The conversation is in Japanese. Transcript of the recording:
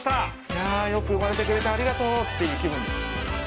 いやーよく生まれてくれてありがとうという気分です。